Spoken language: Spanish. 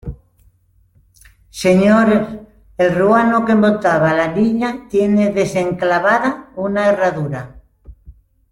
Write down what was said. señor, el ruano que montaba la Niña tiene desenclavada una herradura...